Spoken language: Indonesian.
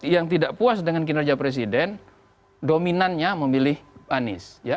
yang tidak puas dengan kinerja presiden dominannya memilih anies